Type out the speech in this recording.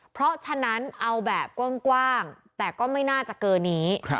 เพราะฉะนั้นเอาแบบกว้างแต่ก็ไม่น่าจะเกินนี้